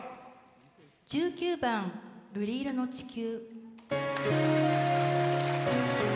１９番「瑠璃色の地球」。